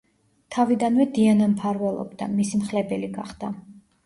თავიდანვე დიანა მფარველობდა, მისი მხლებელი გახდა.